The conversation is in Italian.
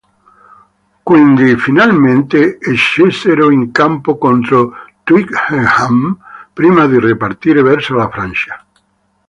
Quindi finalmente scesero in campo contro Twickenham prima di ripartire verso la Francia.